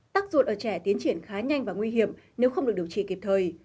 tắc ruột ở trẻ tiến triển khá nhanh và nguy hiểm nếu không được điều trị kịp thời